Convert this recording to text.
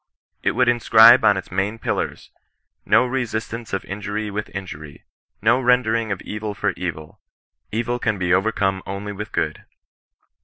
It would inscribe on its main pillars, — No resistance of injury with injury — no rendering of evil for evil — evil can be overcome only with good!